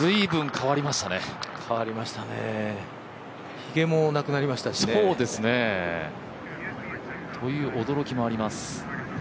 変わりましたね、ひげもなくなりましたしね。という驚きもあります。